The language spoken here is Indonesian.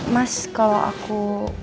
mas kalau aku